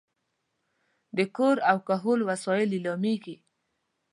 د کور او کهول وسایل لیلامېږي.